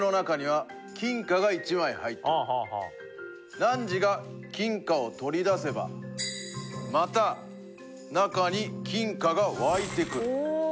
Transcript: なんじが金貨を取り出せばまた中に金貨が湧いてくる。